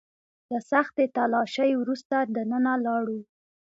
له سختې تلاشۍ وروسته دننه لاړو.